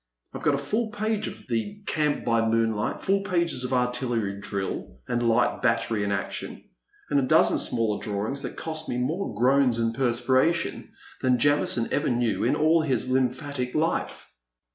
I 've got a full page of the * camp by moonlight/ full pages of * artillery drill' and * light battery in action,' and a dozen smaller drawings that cost me more groans and perspira tion than Jamison ever knew in all his lymphatic Ufe!"